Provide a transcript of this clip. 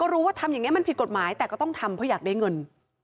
รู้ว่าทำอย่างนี้มันผิดกฎหมายแต่ก็ต้องทำเพราะอยากได้เงิน